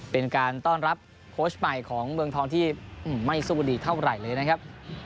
เป็นการต้อนรับโค้ชใหม่ของเมืองทองที่ไม่สู้ดีเท่าไหร่เลยนะครับ